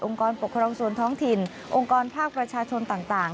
กรปกครองส่วนท้องถิ่นองค์กรภาคประชาชนต่าง